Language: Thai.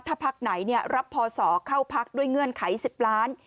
ถ้าพักไหนรับพศเข้าพักด้วยเงื่อนไข๑๐ล้าน